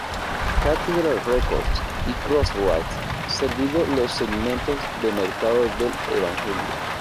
Cathedral Records y Crossroads servido los segmentos de mercado del Evangelio.